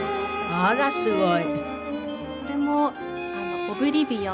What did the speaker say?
あらすごい。